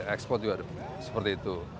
ekspor juga seperti itu